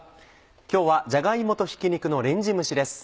今日は「じゃが芋とひき肉のレンジ蒸し」です。